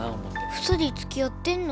２人つきあってんの？